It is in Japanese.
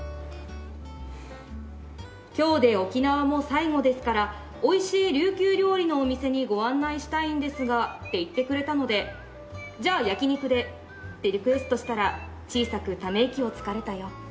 「今日で沖縄も最後ですから美味しい琉球料理のお店にご案内したいんですがって言ってくれたのでじゃあ焼き肉でってリクエストしたら小さくため息をつかれたよ」